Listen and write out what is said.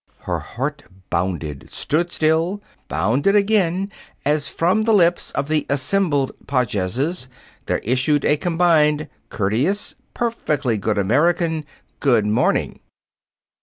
Her heart bounded, stood still, bounded again, as from the lips of the assembled Pages there issued a combined, courteous, perfectly good American, "Good morning!"